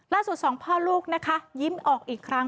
สองพ่อลูกนะคะยิ้มออกอีกครั้ง